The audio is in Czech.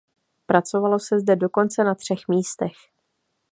Pracovalo se zde dokonce na třech místech.